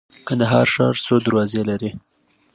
کندهار ښار څو دروازې لري؟